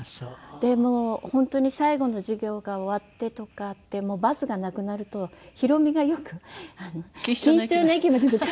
もう本当に最後の授業が終わってとかってバスがなくなると宏美がよく錦糸町の駅まで迎え。